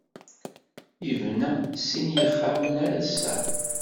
Yebna sin yexxamen ar ass-a.